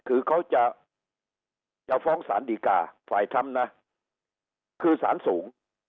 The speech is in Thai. คือเขาจะจะฟ้องสารดีกาฝ่ายทรัมป์นะคือสารสูง